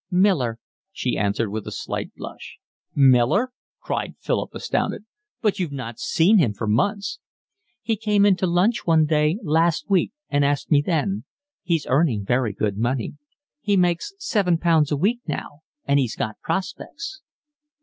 "Miller," she answered, with a slight blush. "Miller?" cried Philip, astounded. "But you've not seen him for months." "He came in to lunch one day last week and asked me then. He's earning very good money. He makes seven pounds a week now and he's got prospects."